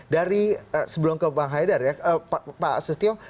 dari sebelum ke bang haidar ya pak setio